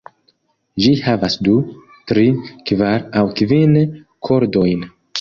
Ĝi havas du, tri, kvar aŭ kvin kordojn.